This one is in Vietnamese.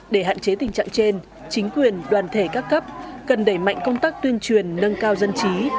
để hạn chế tình trạng trên chính quyền đoàn thể các cấp cần đẩy mạnh công tác tuyên truyền nâng cao dân trí